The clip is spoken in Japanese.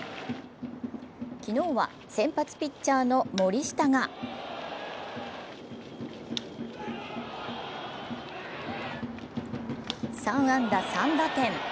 昨日は先発ピッチャーの森下が３安打３打点。